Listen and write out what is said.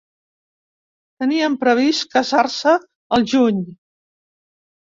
Tenien previst casar-se al juny.